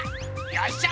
よっしゃ！